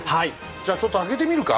じゃちょっと開けてみるか？